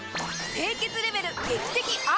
清潔レベル劇的アップ！